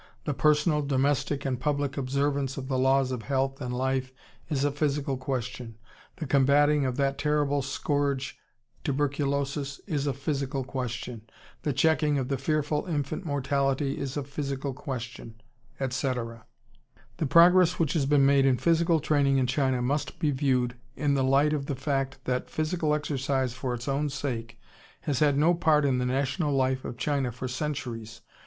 The personal, domestic, and public observance of the laws of health and life is a physical question; the combating of that terrible scourge, tuberculosis, is a physical question; the checking of the fearful infant mortality is a physical question; etc.... The progress which has been made in physical training in China must be viewed in the light of the fact that physical exercise for its own sake has had no part in the national life of China for centuries.